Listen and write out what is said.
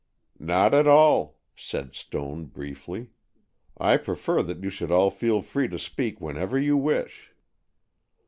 "Not at all," said Stone briefly. "I prefer that you all should feel free to speak whenever you wish."